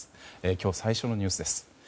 今日、最初のニュースです。